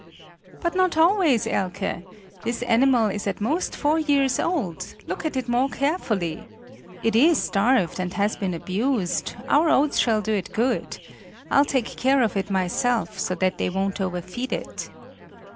"But not always, Elke; this animal is at most four years old; look at it more carefully. It is starved and has been abused; our oats shall do it good. I'll take care of it myself, so that they won't overfeed it."